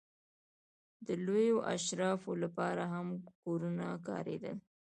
د لویو اشرافو لپاره هم کورونه کارېدل.